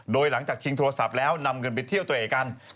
โดยหลังจากชิงโทรศัพท์แล้วนำเงินไปเที่ยวตัวเองกัน